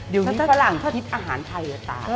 เดี๋ยวพี่ฝรั่งคิดอาหารไทยหรือเปล่า